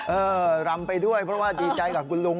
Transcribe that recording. รำไปด้วยเพราะว่าดีใจกับคุณลุง